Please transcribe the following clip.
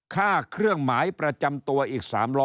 ค่าเครื่องหมายประจำตัวอีก๓๐๐